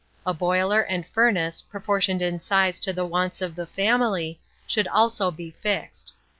A boiler and furnace, proportioned in size to the wants of the family, should also be fixed.